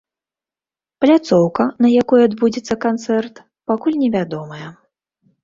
Пляцоўка, на якой адбудзецца канцэрт, пакуль невядомая.